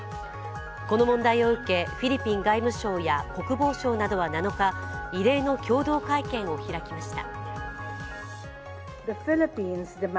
この問題を受け、フィリピン外務省や国防省などは７日、異例の共同会見を開きました。